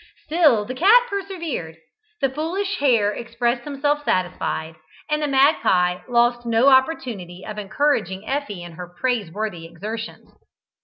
Still the cat persevered, the foolish hare expressed himself satisfied, and the magpie lost no opportunity of encouraging Effie in her praiseworthy exertions.